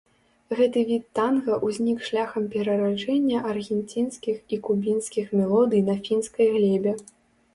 Гэты від танга ўзнік шляхам перараджэння аргенцінскіх і кубінскіх мелодый на фінскай глебе.